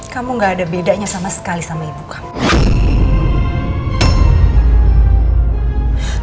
kamu gak ada bedanya sama sekali sama ibu kamu